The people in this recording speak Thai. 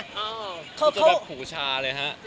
อ้าเป็นแบบหูชาเลยฮะ